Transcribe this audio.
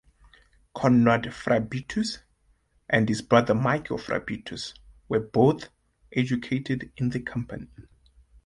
Conrad Fabritius and his brother Michael Fabritius were both educated in the company.